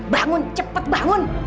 bangun cepet bangun